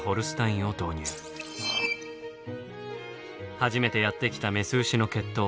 初めてやって来たメス牛の血統